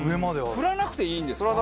振らなくていいんですか？